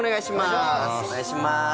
お願いします。